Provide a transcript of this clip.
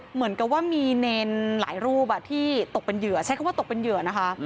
เหมือนกับว่ามีเนรหลายรูปที่ตกเป็นเหยื่อใช้คำว่าตกเป็นเหยื่อนะคะ